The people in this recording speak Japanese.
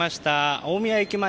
大宮駅前。